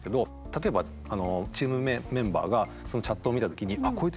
例えばチームメンバーがそのチャットを見た時にこいつ